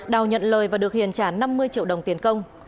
đào nhận lời và được hiền trả năm mươi triệu đồng tiền công